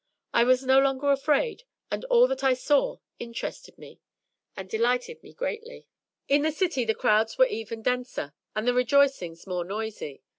I was no longer afraid, and all that I saw interested me, and delighted me greatly. In the city the crowds were even denser, and the rejoicings more noisy.